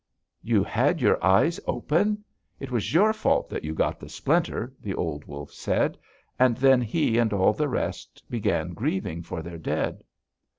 "'You had your eyes open! It was your fault that you got the splinter!' the old wolf said; and then he and all the rest began grieving for their dead.